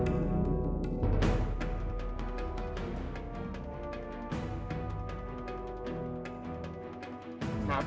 สวัสดีคุณครับ